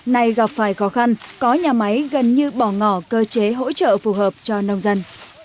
này gặp phải khó khăn có nhà máy gần như bỏ ngỏ cơ chế hỗ trợ phù hợp cho nông dân